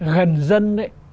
gần dân ấy